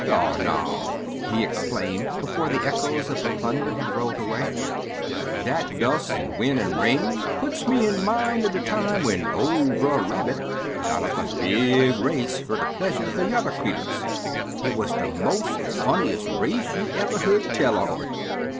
"Dar now!" he exclaimed, before the echoes of the thunder had rolled away, "Dat dust an' win', an' rain, puts me in mind er de time when ol' Brer Rabbit got up a big race fer ter pleasure de yuther creeturs. It wuz de mos' funniest race you ever hear tell on.